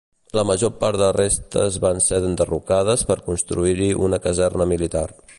La major part de restes van ser enderrocades per construir-hi una caserna militar.